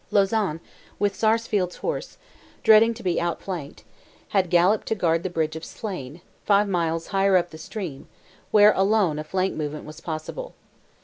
Lauzan, with Sarsfield's horse, dreading to be outflanked, had galloped to guard the bridge of Slane, five miles higher up the stream, where alone a flank movement was possible.